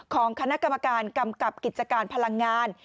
ของคณะกรรมการกำกับกิจการพลังงาน